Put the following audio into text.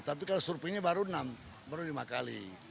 tapi kalau surveinya baru enam baru lima kali